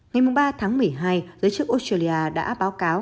ngày ba tháng một mươi hai giới chức australia đã báo cáo